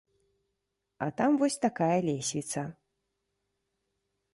А там вось такая лесвіца.